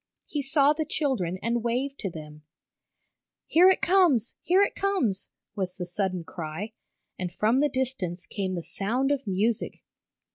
He saw the children and waved to them. "Here it comes! Here it comes!" was the sudden cry, and from the distance came the sound of music.